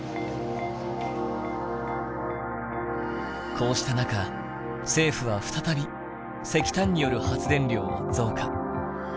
こうした中政府は再び石炭による発電量を増加。